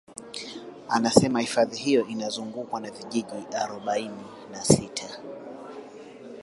Anasema hifadhi hiyo inazungukwa na vijiji arobaini na sita